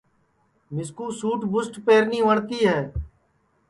مِسکُو سُٹ پنٚٹ پہرنی وٹؔتی ہے